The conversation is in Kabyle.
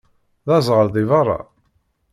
D aẓɣal deg beṛṛa?